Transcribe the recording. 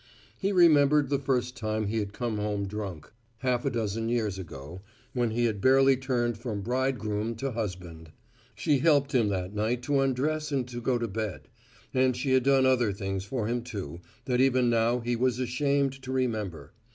He remembered the first time he had come home drunk, half a dozen years ago, when he had barely turned from bridegroom to husband. She helped him that night to undress and to go to bed. And she had done other things for him, too, that even now he was ashamed to remember.